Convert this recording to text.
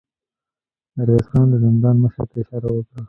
ميرويس خان د زندان مشر ته اشاره وکړه.